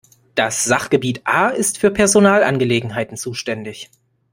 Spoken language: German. Das Sachgebiet A ist für Personalangelegenheiten zuständig.